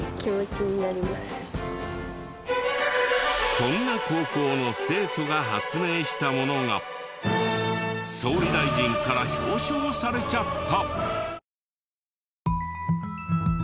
そんな高校の生徒が発明したものが総理大臣から表彰されちゃった！